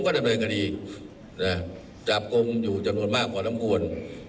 ออกมาจากกรมอยู่จนมนตร์มากกว่าน้ำมรวด